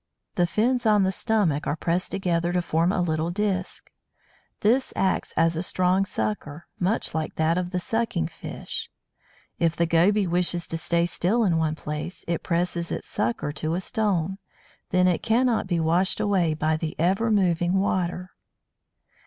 The fins on the stomach are pressed together to form a little disc. This acts as a strong sucker, much like that of the Sucking Fish (p. 43). If the Goby wishes to stay still in one place, it presses its sucker to a stone; then it cannot be washed away by the ever moving water.